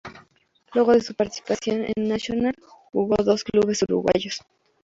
Luego de su participación en Nacional jugó para otros dos clubes uruguayos.